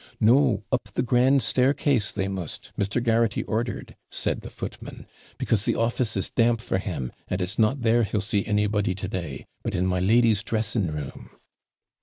'No; up the grand staircase they must Mr. Garraghty ordered,' said the footman; 'because the office is damp for him, and it's not there he'll see anybody to day; but in my lady's dressing room.'